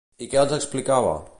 I què els explicava?